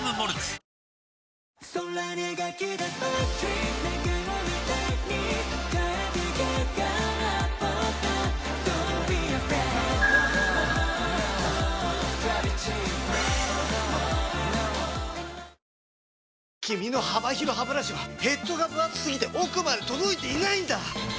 おおーーッ君の幅広ハブラシはヘッドがぶ厚すぎて奥まで届いていないんだ！